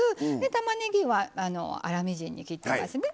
たまねぎは粗みじんに切ってますね。